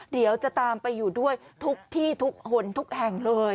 เดี๋ยวจะตามไปอยู่ด้วยทุกที่ทุกคนทุกแห่งเลย